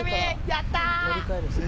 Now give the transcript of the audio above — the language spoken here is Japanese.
やった！